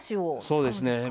そうですね。